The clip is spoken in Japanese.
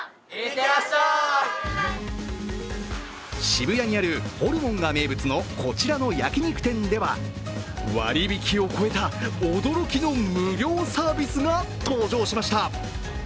渋谷にあるホルモンが名物のこちらの焼き肉店では割り引きを超えた驚きの無料サービスが登場しました。